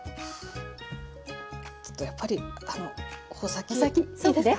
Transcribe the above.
ちょっとやっぱり穂先先いいですか？